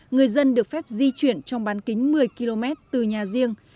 người dân được phép di chuyển trong bán kính một mươi km từ nhà riêng